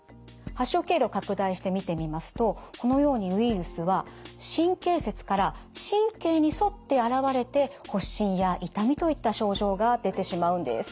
発症経路拡大して見てみますとこのようにウイルスは神経節から神経に沿って現れて発疹や痛みといった症状が出てしまうんです。